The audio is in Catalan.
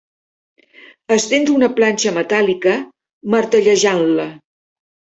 Estendre una planxa metàl·lica martellejant-la.